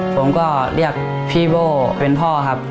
ผมก็เรียกพี่โบ้เป็นพ่อครับ